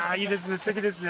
すてきですね。